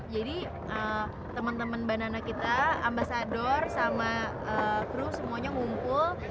jadi temen temen banana kita ambasador sama crew semuanya ngumpul